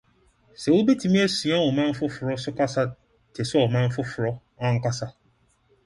So yebetumi asua ɔman foforo so kasa te sɛ ɔman foforo ankasa?